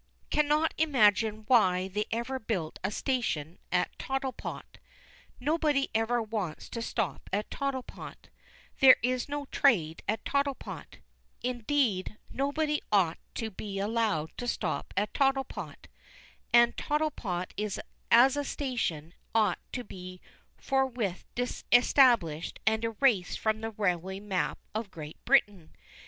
Cannot imagine why they ever built a station at Tottlepot. Nobody ever wants to stop at Tottlepot, there is no trade at Tottlepot indeed, nobody ought to be allowed to stop at Tottlepot; and Tottlepot as a Station ought to be forthwith disestablished and erased from the railway map of Great Britain.